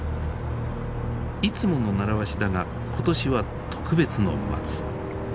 いつもの習わしだが今年は特別の松。